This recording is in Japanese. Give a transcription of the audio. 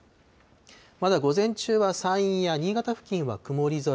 まだ午前中は、山陰や新潟付近は曇り空。